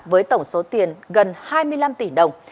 với tổng số tiền gần hai mươi năm tỷ đồng